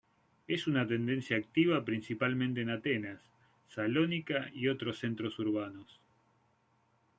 Es una tendencia activa principalmente en Atenas, Salónica y otros centros urbanos.